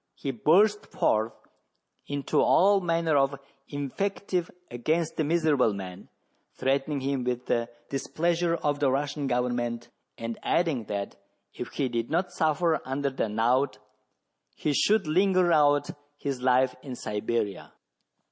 He burst forth into all manner of invective against the miserable man, threatening him with the displeasure of the Russian government, and adding, that if he did not suffer under the knout he should linger out his life in Siberia.